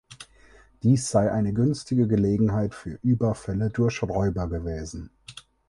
Dies sei eine günstige Gelegenheit für Überfälle durch Räuber gewesen.